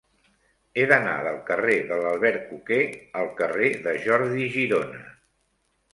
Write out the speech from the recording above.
He d'anar del carrer de l'Albercoquer al carrer de Jordi Girona.